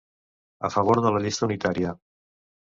A favor de la llista unitària.